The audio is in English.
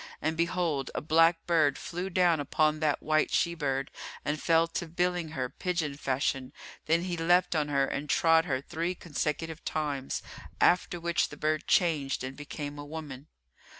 And behold, a black bird flew down upon that white she bird and fell to billing her pigeon fashion, then he leapt on her and trod her three consecutive times, after which the bird changed and became a woman.